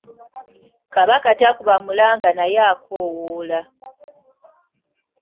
Kabaka takuba mulanga naye akoowoola.